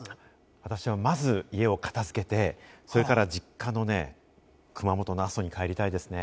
私はまず家を片付けて、それから実家のね、熊本の阿蘇に帰りたいですね。